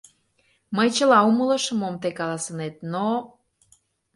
Мый чыла умылышым, мом тый каласынет, но...